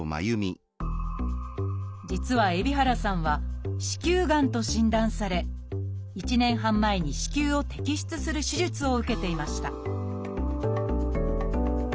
実は海老原さんは「子宮がん」と診断され１年半前に子宮を摘出する手術を受けていました